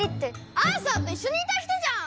アーサーといっしょにいた人じゃん！